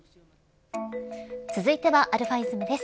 続いてはαｉｓｍです。